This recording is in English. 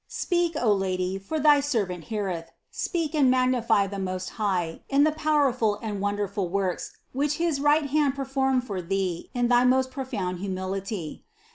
Speak, O Lady, for thy servant heareth; speak and magnify the Most High in the powerful and wonderful works, which his right hand performed for Thee in thy most profound hu mility.